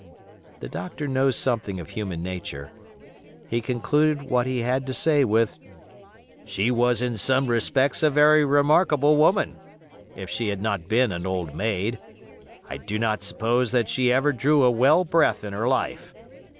The doctor knows something of human nature. He concluded what he had to say with, "She was in some respects a very remarkable woman—if she had not been an old maid. I do not suppose that she ever drew a well breath in her life.